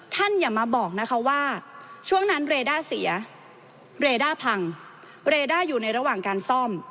อย่ามาบอกนะคะว่าช่วงนั้นเรด้าเสียเรด้าพังเรด้าอยู่ในระหว่างการซ่อม